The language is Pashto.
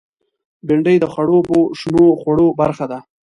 بېنډۍ د خړوبو شنو خوړو برخه ده